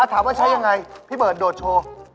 ถามว่าใช้ยังไงพี่เบิร์ดโดดโชว์